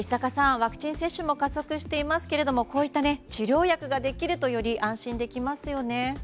ワクチン接種も加速していますがこういった治療薬ができるとより安心できますよね。